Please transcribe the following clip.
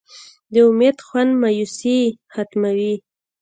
د امید خوند مایوسي ختموي.